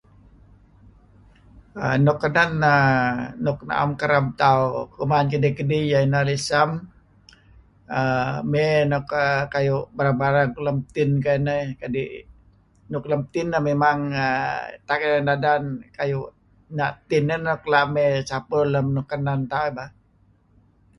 Nuk kenen neh nuk na'em kereb tauh kuman kidih-kidih iyah neh lisem err mey nuk kayu' barang-barang lem tin kuayu' inah kadi' luk lem tin neh memang err tak iyeh dadan kayu' na' tin neh nuk la' mey campur mey lem luk kenen tauh bah.